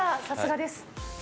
さすがです。